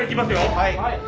はい！